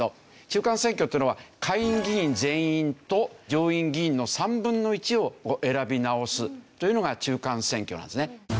中間選挙っていうのは下院議員全員と上院議員の３分の１を選び直すというのが中間選挙なんですね。